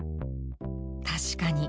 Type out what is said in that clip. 確かに。